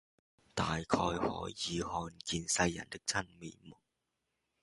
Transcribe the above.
大概可以看見世人的真面目；